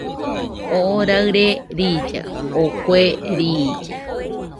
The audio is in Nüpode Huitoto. Oo raɨre riilla, o kue riilla